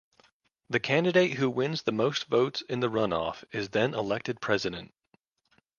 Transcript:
The candidate who wins the most votes in the runoff is then elected President.